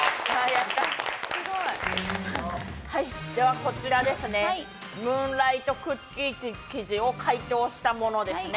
ではこちらですね、ムーンライトクッキー生地を解凍したものですね。